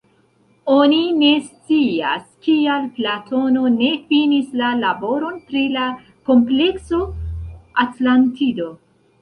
Oni ne scias, kial Platono ne finis la laboron pri la komplekso Atlantido.